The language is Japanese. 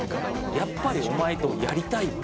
「やっぱりお前とやりたいわ」